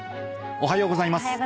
おはようございます。